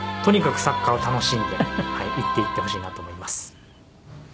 とにかくサッカーを楽しんでいっていってほしいなと思います。